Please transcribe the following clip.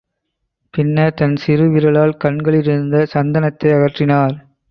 பின்னர் தன் சிறு விரலால் கண்களில் இருந்த சந்தனத்தை அகற்றினார்.